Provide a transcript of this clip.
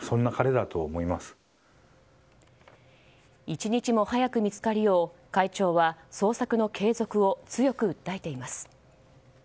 一日も早く見つかるよう会長は捜索の継続を強く訴えています。